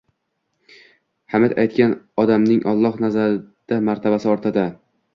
Hamd aytgan odamning Alloh nazdida martabasi ortadi.